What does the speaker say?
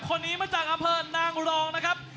คนนี้มาจากอำเภอนางรองนะครับ